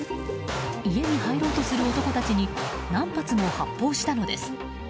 家に入ろうとする男たちに何発も発砲したのです。